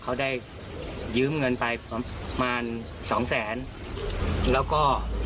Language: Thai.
เขาได้ยืมเงินไปประมาณสองแสนแล้วก็